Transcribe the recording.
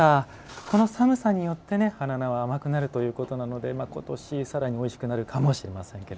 この寒さによって、花菜は甘くなるということなので今年さらにおいしくなるかもしれません。